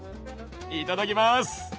いただきます。